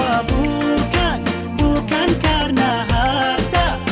wa'alaikumussalam ya pak ustadz